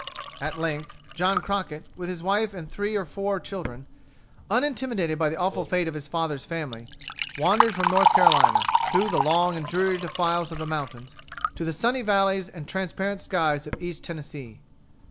At length, John Crockett, with his wife and three or four children, unintimidated by the awful fate of his father's family, wandered from North Carolina, through the long and dreary defiles of the mountains, to the sunny valleys and the transparent skies of East Tennessee.